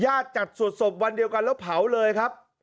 จัดสวดศพวันเดียวกันแล้วเผาเลยครับ